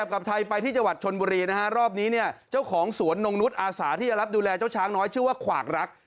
กับไทยไปที่จังหวัดชนบุรีนะฮะรอบนี้เนี่ยเจ้าของสวนนงนุษย์อาสาที่จะรับดูแลเจ้าช้างน้อยชื่อว่าขวากรัก